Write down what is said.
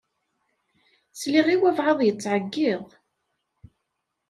Sliɣ i wabɛaḍ yettɛeggiḍ.